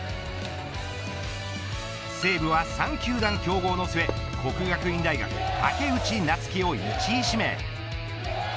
西武は３球団競合の末國學院大學武内夏暉を１位指名。